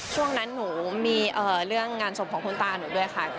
ช่วงนั้นหนูมีเรื่องงานศพของคุณตาหนูด้วยค่ะ